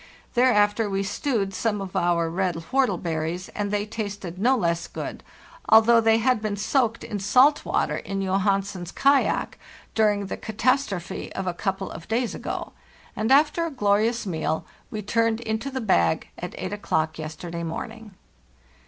Thereafter we stewed some of our red whortleberries, and they tasted no less good, although they had been soaked in salt water in 300 FARTHEST NORTH Johansen's kayak during the catastrophe of a couple of days ago; and after a glorious meal we turned into the bag at 8 o'clock yesterday morning.